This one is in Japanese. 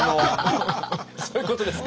そういうことですか。